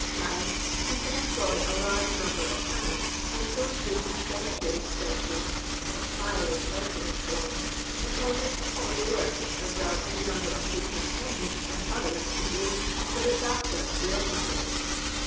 (9) He can employ a large number of hands, and s«» reduce the secondary expenses (of firiiKr, light ing, &c.) attendant upon the work, as well as the I number of superintendents and others engaged to i *• look after" the operatives.